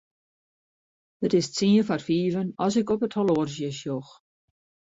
It is tsien foar fiven as ik op it horloazje sjoch.